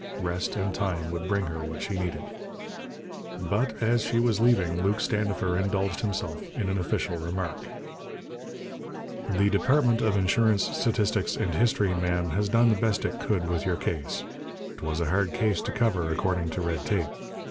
Rest and time would bring her what she needed. But, as she was leaving, Luke Standifer indulged himself in an official remark: "The Department of Insurance, Statistics, and History, ma'am, has done the best it could with your case. 'Twas a case hard to cover according to red tape.